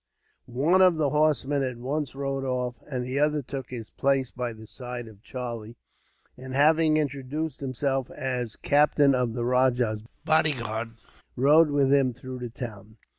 One of the horsemen at once rode off, and the other took his place by the side of Charlie; and, having introduced himself as captain of the rajah's bodyguard, rode with him through the town.